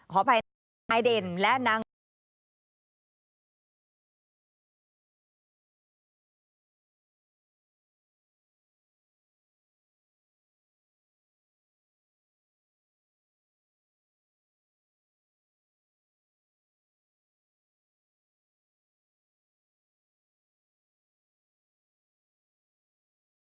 ขออภัยนายเด่นและนางสาวปียชัด